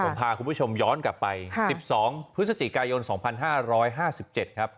ผมพาคุณผู้ชมย้อนกลับไป๑๒พฤศจิกายน๒๕๕๗ครับ